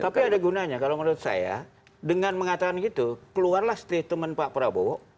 tapi ada gunanya kalau menurut saya dengan mengatakan gitu keluarlah statement pak prabowo